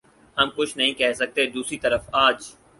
ہم کچھ نہیں کہہ سکتے دوسری طرف آج